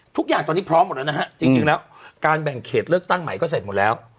ทุกอย่างตอนนี้พร้อมหมดแล้วนะฮะจริงแล้วการแบ่งเขตเลือกตั้งใหม่ก็เสร็จหมดแล้ว